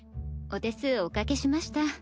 お手数おかけしました。